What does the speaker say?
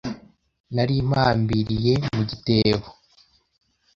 Nari mpambiriye mu gitebo